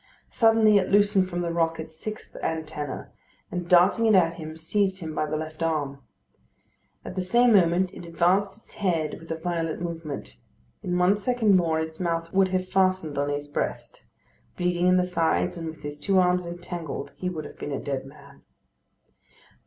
Suddenly it loosened from the rock its sixth antenna, and darting it at him, seized him by the left arm. At the same moment it advanced its head with a violent movement. In one second more its mouth would have fastened on his breast. Bleeding in the sides, and with his two arms entangled, he would have been a dead man.